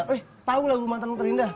eh tau lagu matang terindah